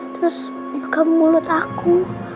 terus buka mulut aku